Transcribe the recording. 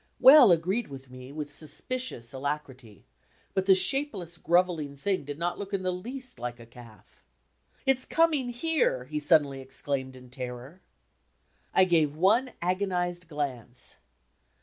Well agreed with me with suspicious alacrity, but die shapeless, grovelling thing did not look in the least like a calf. "It's coming here!" he suddenly exclaimed in terror. I gave one agonized glance.